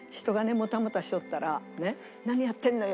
モタモタしとったら「何やってんのよ！」。